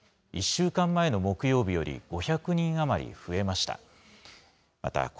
１週間前の木曜日より５００人余り増えました。